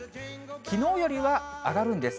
きのうよりは上がるんです。